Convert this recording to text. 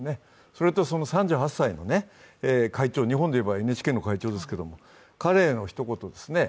それと、３８歳の会長、日本いえばＮＨＫの会長ですけれども、彼のひと言です。